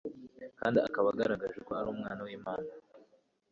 kandi akaba agaragaje ko ari Umwana w'Imana.